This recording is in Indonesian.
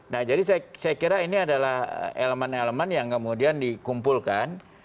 nah jadi saya kira ini adalah elemen elemen yang kemudian dikumpulkan